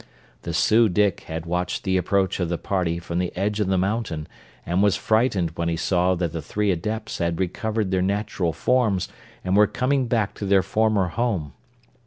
The Su dic had watched the approach of the party from the edge of the mountain and was frightened when he saw that the three Adepts had recovered their natural forms and were coming back to their former home.